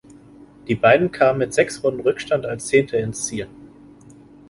Die Beiden kamen mit sechs Runden Rückstand als Zehnte ins Ziel.